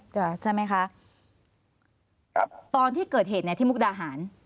จ้ะใช่ไหมคะครับตอนที่เกิดเหตุเนี้ยที่มุกดาหาร